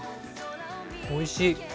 おいしい。